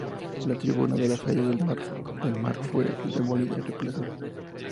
La tribuna de la feria de Del Mar fue demolida y reemplazada.